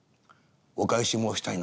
お返し申したいな」。